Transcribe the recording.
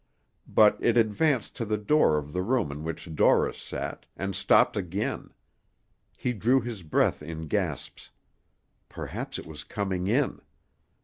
But it advanced to the door of the room in which Dorris sat, and stopped again; he drew his breath in gasps perhaps it was coming in!